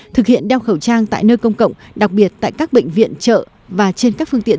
thực hiện đeo khẩu trang tại nơi công cộng đặc biệt tại các bệnh viện chợ và trên các phương tiện